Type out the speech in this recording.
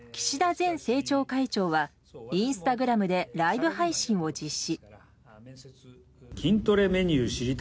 前政調会長はインスタグラムでライブ配信を実施。